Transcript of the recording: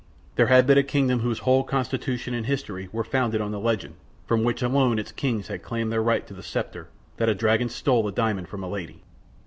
There had been a kingdom whose whole constitution and history were founded on the legend, from which alone its kings had claimed their right to the scepter, that a dragon stole a diamond from a lady.